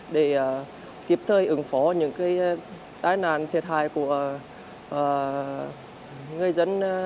để kịp thời ứng phó những tai nạn thiệt hại của người dân